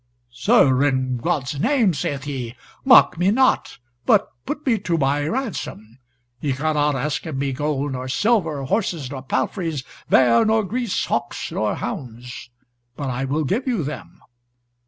"Sir, in God's name," saith he, "mock me not, but put me to my ransom; ye cannot ask of me gold nor silver, horses nor palfreys, vair nor gris, hawks nor hounds, but I will give you them."